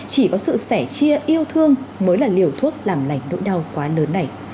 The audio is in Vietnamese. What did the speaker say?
chỉ có sự sẻ chia yêu thương mới là liều thuốc làm lành nỗi đau quá lớn này